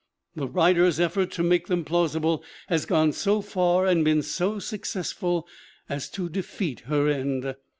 The writer's effort to make them plausible has gone so far and been so successful as to defeat her end.